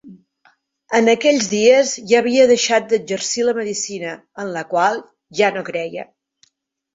En aquells dies ja havia deixat d'exercir la medicina, en la qual ja no creia.